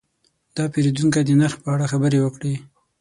دا پیرودونکی د نرخ په اړه خبرې وکړې.